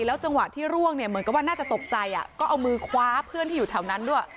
จังหวะที่ร่วงเนี่ยเหมือนกับว่าน่าจะตกใจก็เอามือคว้าเพื่อนที่อยู่แถวนั้นด้วย